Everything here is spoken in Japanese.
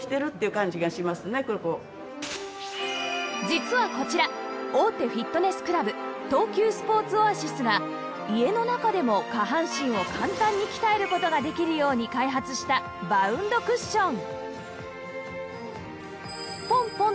実はこちら大手フィットネスクラブ東急スポーツオアシスが家の中でも下半身を簡単に鍛える事ができるように開発したバウンドクッション